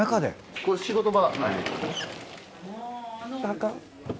これ仕事場。